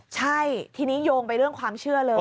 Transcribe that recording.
ใช่ทีนี้โยงไปเรื่องความเชื่อเลย